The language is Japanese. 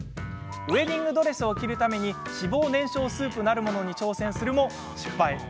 ウエディングドレスを着るために脂肪燃焼スープなるものに挑戦するも失敗。